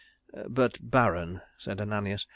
"But, Baron," said Ananias.